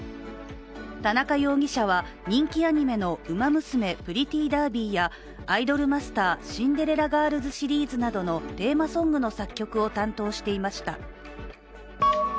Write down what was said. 田中容疑者は、人気アニメの「ウマ娘プリティーダービー」や「アイドルマスターシンデレラガールズ」シリーズなどのテーマソングの作曲を担当していました。